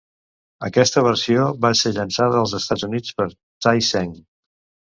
Aquesta versió va ser llançada als Estats Units per Tai Seng.